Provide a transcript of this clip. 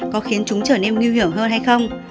còn em nguy hiểm hơn hay không